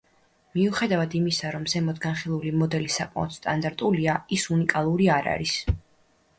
მიუხედავად იმისა, რომ ზემოთ განხილული მოდელი საკმაოდ სტანდარტულია, ის უნიკალური არ არის.